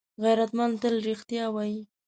غیرتمند تل رښتیا وايي